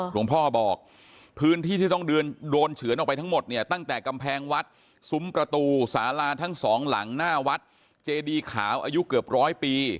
พ่อบอกพื้นที่ที่ต้องเดินเฉือนออกไปทั้งหมดเนี่ยตั้งแต่กำแพงวัดซุ้มประตูสาลาทั้งสองหลังหน้าวัดเจดีขาวอายุเกือบร้อยปี